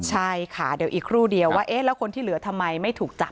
ใช่ค่ะเดี๋ยวอีกครู่เดียวว่าเอ๊ะแล้วคนที่เหลือทำไมไม่ถูกจับ